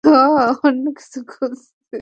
অন্য কিছু খুঁজছে?